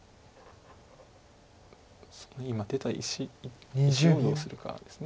今出た石をどうするかです。